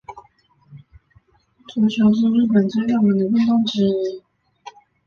足球是日本最热门的运动之一。